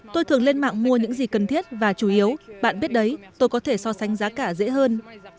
tôi thường lên mạng mua những gì cần thiết và chủ yếu bạn biết đấy tôi có thể so sánh giá cả dễ hơn